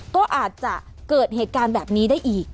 ก็อาจจะเกิดเหตุการณ์แบบนี้ได้อีก